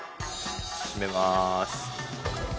閉めます。